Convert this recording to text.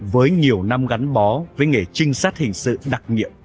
với nhiều năm gắn bó với nghề trinh sát hình sự đặc nhiệm